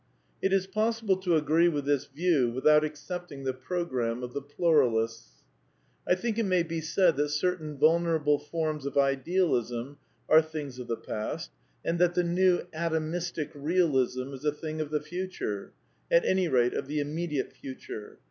It is possible to agree with this view without accepting the programme of the pluralists. I think it may be said that certain vulnerable forms of Idealism are things of the past ; and that the new atomistic Bealism is a thing of the future ; at any rate of the immediate future.